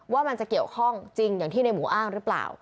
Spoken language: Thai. ว่ามันจะเกี่ยวข้องจริงอย่างที่ในหมูอ้างหรือเปล่า